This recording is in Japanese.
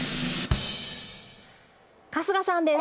春日さんです。